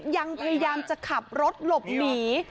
ยังพยายามจะขับรถหลบหนี